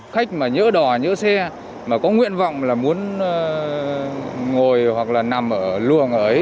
khách mà nhỡ đỏ nhỡ xe mà có nguyện vọng là muốn ngồi hoặc là nằm ở luồng ấy